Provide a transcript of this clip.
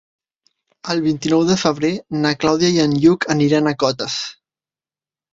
El vint-i-nou de febrer na Clàudia i en Lluc aniran a Cotes.